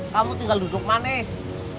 kamu tinggal duduk manis